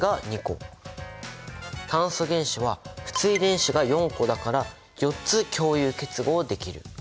炭素原子は不対電子が４個だから４つ共有結合できる。